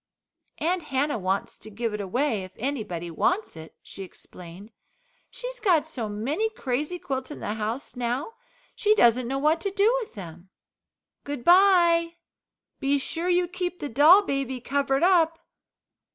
"Aunt Hannah wants to give it away if anybody wants it," she explained. "She's got so many crazy quilts in the house now she doesn't know what to do with them. Good bye be sure you keep the doll baby covered up."